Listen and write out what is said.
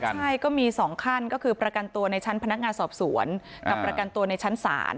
ใช่ก็มี๒ขั้นก็คือประกันตัวในชั้นพนักงานสอบสวนกับประกันตัวในชั้นศาล